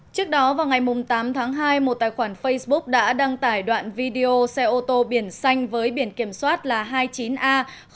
trước đó vào ngày tám tháng hai một tài khoản facebook đã đăng tải đoạn video xe ô tô biển xanh với biển kiểm soát là hai mươi chín a một nghìn sáu trăm bốn mươi sáu